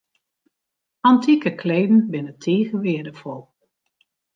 Antike kleden binne tige weardefol.